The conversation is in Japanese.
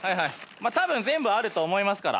たぶん全部あると思いますから。